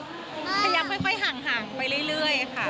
พยายามค่อยห่างไปเรื่อยค่ะ